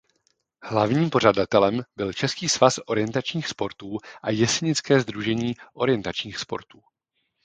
Hlavním pořadatelem byl Český svaz orientačních sportů a Jesenické sdružení orientačních sportů.